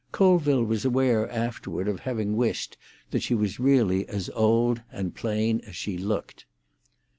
Colville was aware afterward of having wished that she was really as old and plain as she looked.